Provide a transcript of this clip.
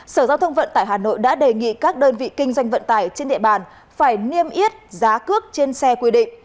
sở giao thông vận tải hà nội đã đề nghị các đơn vị kinh doanh vận tải trên địa bàn phải niêm yết giá cước trên xe quy định